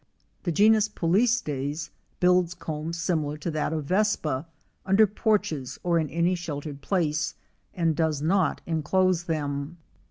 The genus Polistes builds combs similar to that of Vespa, under porches or in any sheltered place, and does not inclose them.